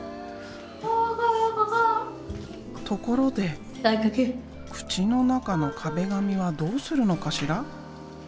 ところで口の中の壁紙はどうするのかしら？